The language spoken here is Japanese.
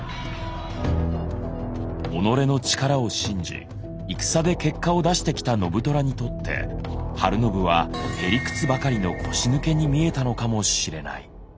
己の力を信じ戦で結果を出してきた信虎にとって晴信はへ理屈ばかりの腰抜けに見えたのかもしれない。